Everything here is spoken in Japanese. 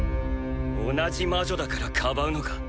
同じ魔女だからかばうのか？